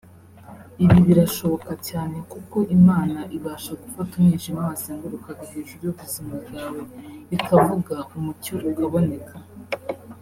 Ibi birashoboka cyane kuko Imana ibasha gufata umwijima wazengurukaga hejuru y’ubuzima bwawe ikavuga umucyo ukaboneka